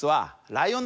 ライオン。